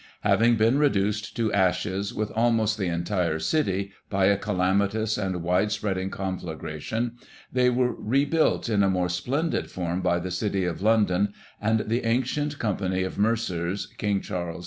Having been reduced to ashes with almost the entire city, by a calamitous and wide spreading conflagration, they were rebuilt in a more splendid form by the City of London and the Ancient Company of Mercers, King Charles 11.